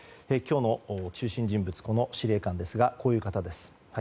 今日の中心人物はこの司令官ですがこういう方です。